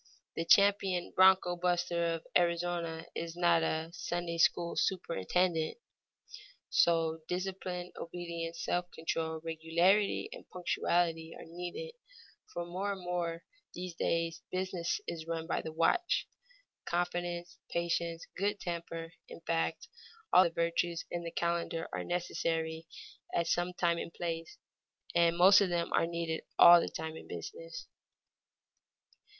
The champion broncho buster of Arizona is not a Sunday school superintendent. So, discipline, obedience, self control, regularity, and punctuality are needed, for more and more in these days business is run by the watch; confidence, patience, good temper, in fact all the virtues in the calendar are necessary at some time and place, and most of them are needed all the time in business.